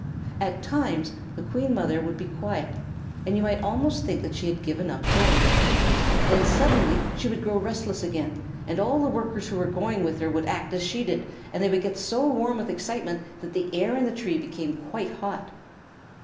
At times the Queen Mother would be quiet, and you might almost think that she had given up going. Then suddenly she would grow restless again, and all the Workers who were going with her would act as she did, and they would get so warm with excitement that the air in the tree became quite hot.